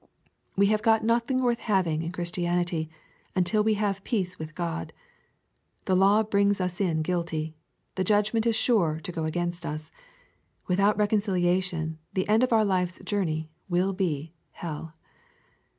We have got nothing worth having in Christianity, until we have peace with God. The law brings us in guilty. The judgment is sure to go against us. Without reconcilia tion, the end of our Life's journey will be hell.